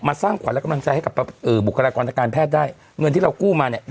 สร้างขวัญและกำลังใจให้กับบุคลากรทางการแพทย์ได้เงินที่เรากู้มาเนี่ย